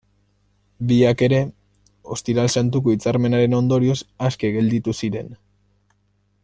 Biak ere, Ostiral Santuko Hitzarmenaren ondorioz aske gelditu ziren.